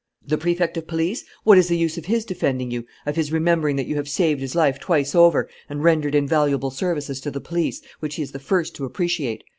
"The Prefect of Police? What is the use of his defending you, of his remembering that you have saved his life twice over and rendered invaluable services to the police which he is the first to appreciate?